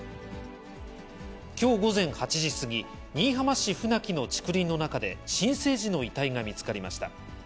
きょう午前８時過ぎ、新居浜市船木の竹林の中で、新生児の遺体が見つかりました。